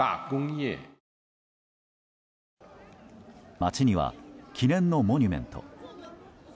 街には記念のモニュメント。